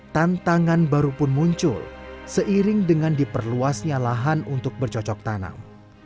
tantangan baru pun muncul seiring dengan diperluasnya lahan untuk bercocok tanam